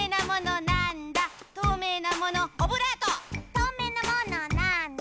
「とうめいなものなんだ？」